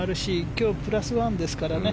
今日、プラス１ですからね